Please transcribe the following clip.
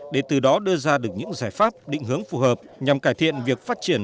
để từ đó đưa ra được những giải pháp định hướng phù hợp nhằm cải thiện việc phát triển